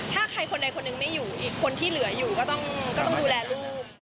ถ้าใครคนใดคนหนึ่งไม่อยู่อีกคนที่เหลืออยู่ก็ต้องดูแลลูก